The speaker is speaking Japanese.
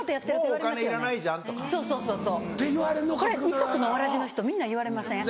二足のわらじの人みんな言われません？